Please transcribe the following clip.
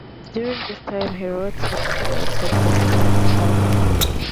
During this time, he wrote some of the songs of the first Petra album.